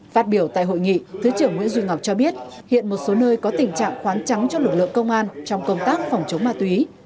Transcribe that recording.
phát biểu tại hội nghị thứ trưởng nguyễn duy ngọc cho biết hiện một số nơi có tình trạng khoán trắng cho lực lượng công an trong công tác phòng chống ma túy